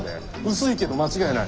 薄いけど間違いない。